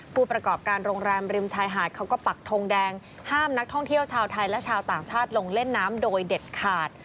ผู้ประกอบการโรงแรมริมชายหาดเขาก็ปักทงแดงห้ามนักท่องเที่ยวชาวไทยและชาวต่างชาติลงเล่นน้ำโดยเด็ดขาด